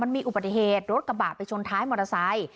มีอุบัติเหตุรถกระบะไปชนท้ายมอเตอร์ไซค์